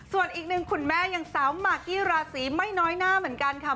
ส่วนอีกหนึ่งคุณแม่ยังสาวมากกี้ราศีไม่น้อยหน้าเหมือนกันค่ะ